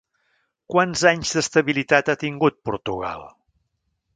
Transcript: Quants anys d'estabilitat ha tingut Portugal?